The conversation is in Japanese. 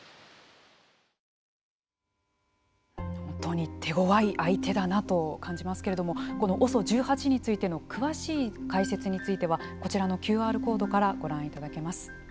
本当に手ごわい相手だなと感じますけどもこのＯＳＯ１８についての詳しい解説についてはこちらのＱＲコードからご覧いただけます。